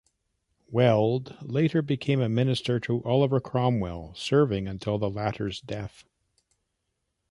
Weld later became a minister to Oliver Cromwell, serving until the latter's death.